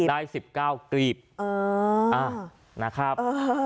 ได้๑๙กรีบนะครับ